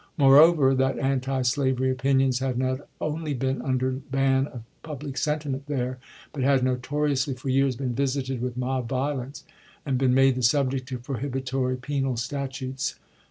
Moreover that antislavery opinions had not only been under ban of public sentiment there, but had notoriously for years been visited with mob violence, and been made the subject of prohibitory penal statutes.